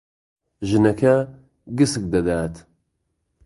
ژنەکە گسک دەدات.